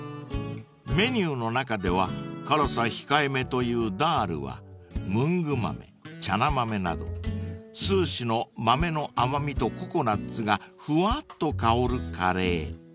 ［メニューの中では辛さ控えめというダールはムング豆チャナ豆など数種の豆の甘味とココナツがふわっと香るカレー］